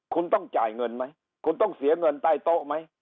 คุณต้องจ่ายเงินไหมคุณต้องเสียเงินใต้โต๊ะไหม